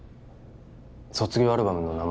卒業アルバムの名前